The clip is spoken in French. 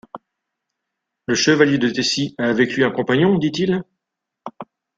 Le chevalier de Tessy a avec lui un compagnon ? dit-il.